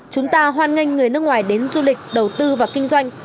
chúng ta hoan nghênh người nước ngoài đến du lịch đầu tư và kinh doanh